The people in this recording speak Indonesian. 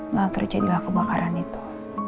lalu terjadilah kebakaran itu